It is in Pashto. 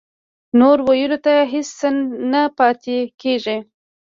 نور ویلو ته هېڅ څه نه پاتې کېږي